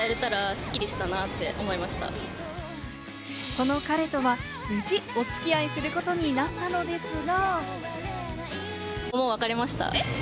その彼とは無事お付き合いすることになったのですが。